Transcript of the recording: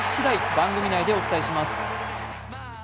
番組内でお伝えします。